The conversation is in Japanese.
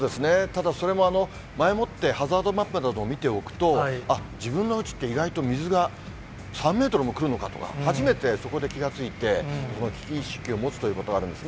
ただ、それも前もってハザードマップなどを見ておくと、あっ、自分のうちって、意外と水が３メートルも来るのかとか、初めてそこで気が付いて、危機意識を持つということがあるんです。